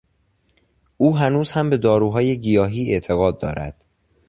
او هنوز هم به داروهای گیاهی اعتقاد دارد.